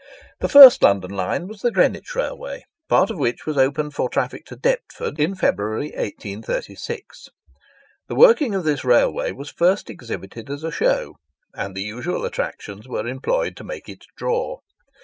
The first London line was the Greenwich Railway, part of which was opened for traffic to Deptford in February 1836. The working of this railway was first exhibited as a show, and the usual attractions were employed to make it "draw."